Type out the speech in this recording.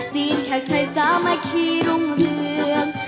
จีนแขกไทยสามัคคีรุ่งเหลือง